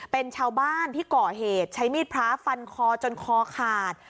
เป็นชาวบ้านที่ก่อเหตุใช้มีดพระฟันคอจนคอขาด